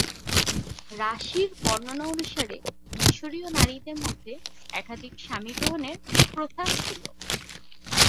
রাশির বর্ণনা অনুসারে, মিশরীয় নারীদের মধ্যে একাধিক স্বামী গ্রহণের প্রথা ছিল।